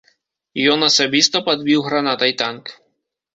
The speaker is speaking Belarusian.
Ён асабіста падбіў гранатай танк.